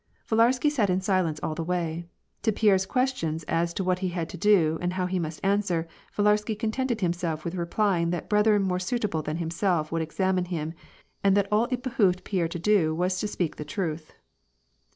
Villarsky sat in silence all the way. To Pierre's questions as to what he had to do, and how he must answer, Villarsky contented himself with replying that brethren more suitable than himself would examine him, and that all that it behooved Pierre to do was to speak the truth.